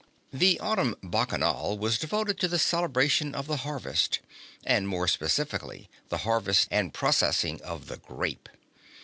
The Autumn Bacchanal was devoted to the celebration of the harvest, and more specifically the harvest and processing of the grape.